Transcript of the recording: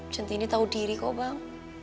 cinti ini tahu diri kok bang